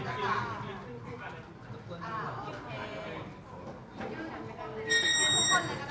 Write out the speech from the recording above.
ข้างข้างไม่ได้ข้างข้างไม่ได้